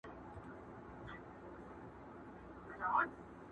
په لېمو کي پیالې راوړې او په لاس کي جام د بنګ دی،